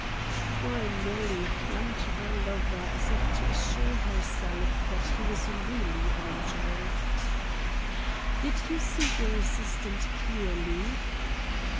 Poor Nellie clung to her lover as if to assure herself that he was really uninjured. "Did you see your assailant clearly?"